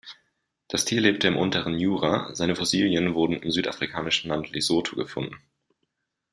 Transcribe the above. Das Tier lebte im unteren Jura, seine Fossilien wurden im südafrikanischen Land Lesotho gefunden.